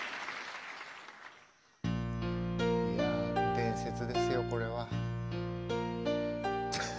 伝説ですよ、これは。